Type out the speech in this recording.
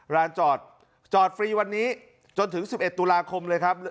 ร้านจอดจอดฟรีวันนี้จนถึง๑๑ตุลาคมเลยครับ